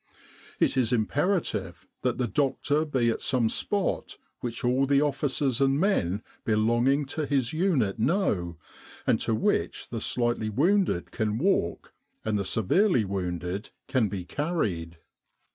It is imperative that the doctor be at some spot which all the officers and men 59 With the R.A.M.C. in Egypt belonging to his unit know, and to which the slightly wounded can walk and the severely wounded can be carried.